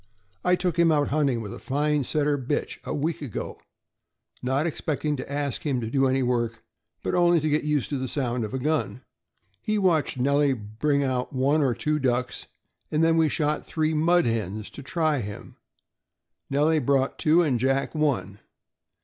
" I took him out hunting, with a fine Setter bitch, a week ago, not expecting to ask him to do any work, but only to get used to the sound of a gun. He watched Nellie bring out one or two ducks, and then we shot three mud hens, to try him. Nellie brought two, and Jack one.